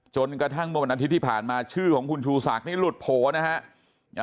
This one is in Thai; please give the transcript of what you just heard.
จนกระทั่งเมื่อวันอาทิตย์ที่ผ่านมาชื่อของคุณชูศักดิ์นี่หลุดโผล่นะฮะ